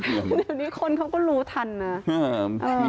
เดี๋ยวนี้คนเขาก็รู้ทันนะ